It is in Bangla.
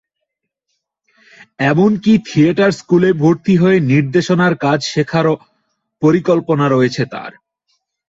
এমনকি থিয়েটার স্কুলে ভর্তি হয়ে নির্দেশনার কাজ শেখারও পরিকল্পনা রয়েছে তাঁর।